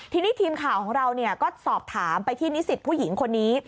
ทีนี้ทีมข่าวของเราก็สอบถามไปที่นิสิตผู้หญิงคนนี้